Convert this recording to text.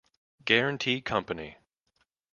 Guarantee Company.